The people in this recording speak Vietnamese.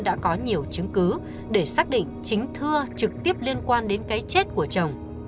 đã có nhiều chứng cứ để xác định chính thưa trực tiếp liên quan đến cái chết của chồng